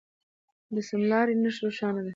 د سمې لارې نښه روښانه ده.